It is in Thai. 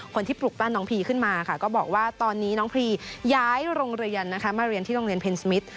คนที่ปลุกบ้านน้องพีขึ้นมาค่ะก็บอกว่าตอนนี้น้องพรีย้ายโรงเรียนนะคะมาเรียนที่โรงเรียนเพนสมิท